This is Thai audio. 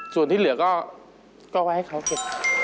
ส่วนที่เหลือก็ไว้ให้เขาเก็บ